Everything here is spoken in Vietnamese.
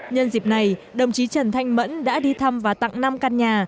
nhân dịp này đồng chí trần thanh mẫn đã đi thăm và tặng năm căn nhà